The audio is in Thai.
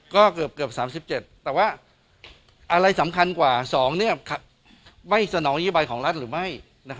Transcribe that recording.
ก็เกือบ๓๗แต่ว่าอะไรสำคัญกว่า๒ไม่สนองนโยบายของรัฐหรือไม่